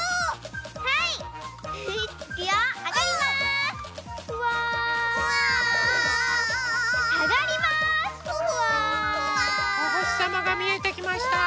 おほしさまがみえてきました。